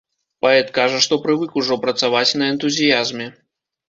Паэт кажа, што прывык ужо працаваць на энтузіязме.